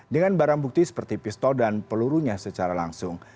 dengan barang bukti seperti pistol dan pelurunya secara langsung